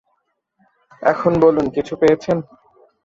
এখন বলুন, কিছু পেয়েছেন?